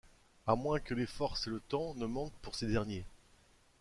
À moins que les forces et le temps ne manquent pour ces derniers.